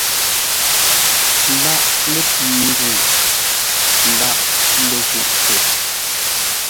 Lâʼ lətəi-ndwuŋ, lâʼ ləghûʼtə.